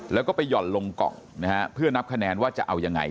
แล้วก็ไปหย่อนลงกล่องนะฮะเพื่อนับคะแนนว่าจะเอายังไง